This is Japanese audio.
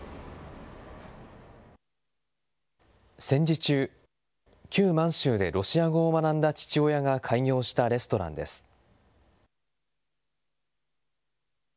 戦時中、旧満州でロシア語を学んだ父親が開業したレストランです。